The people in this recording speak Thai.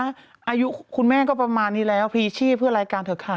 คุณแม่ก็ประมาณนี้แล้วพรีชี่เพื่อรายการเถอะค่ะ